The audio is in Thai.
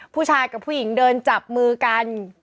ผู้ชายกับผู้หญิงเดินจับมือกัน